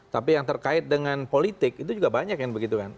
tapi yang terkait dengan politik itu juga banyak kan begitu kan